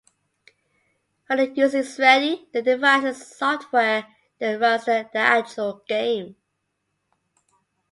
When the user is ready, the device's software then runs the actual game.